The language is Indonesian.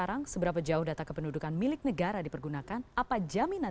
anggota om budzman